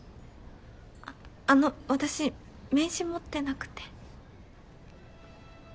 あっあの私名刺持ってなくて。